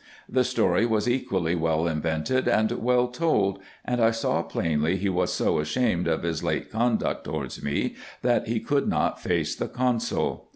The story was equally well invented, and well told ; and I saw plainly he was so ashamed of his late conduct towards me, that he could IN EGYPT, NUBIA, &c. 129 not face the consul.